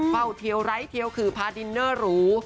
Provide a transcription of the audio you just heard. เฝ้าเทียวไลก์เทียวคือพาดินเนอร์รู